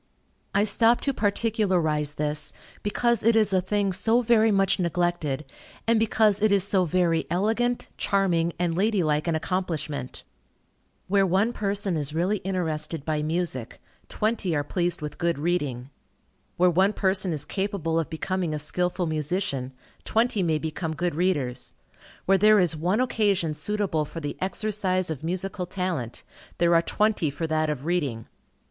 I stop to particularize this, because it is a thing so very much neglected, and because it is so very elegant, charming, and lady like an accomplishment. Where one person is really interested by music, twenty are pleased with good reading. Where one person is capable of becoming a skilful musician, twenty may become good readers. Where there is one occasion suitable for the exercise of musical talent, there are twenty for that of reading.